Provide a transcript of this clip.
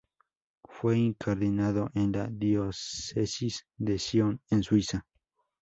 Fue incardinado en la diócesis de Sion, en Suiza.